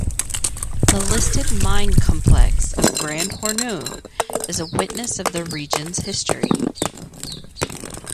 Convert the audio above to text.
The listed mine complex of Grand Hornu is a witness of the region's history.